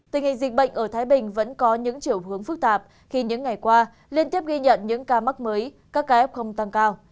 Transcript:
tình hình dịch bệnh ở thái bình vẫn có những chiều hướng phức tạp khi những ngày qua liên tiếp ghi nhận những ca mắc mới các ca f không tăng cao